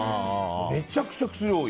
めちゃくちゃ薬多い。